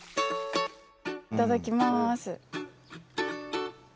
いただきます。